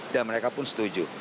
dan mereka pun setuju